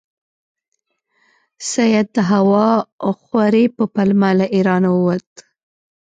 سید د هوا خورۍ په پلمه له ایرانه ووت.